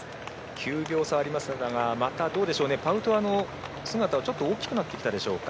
９秒差ありますがパウトワの姿がちょっと大きくなってきたでしょうか。